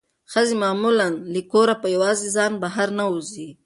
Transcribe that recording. ښځې معمولا له کوره په یوازې ځان بهر نه وځي.